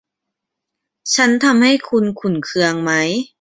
ฉันทำให้คุณขุ่นเคืองไหม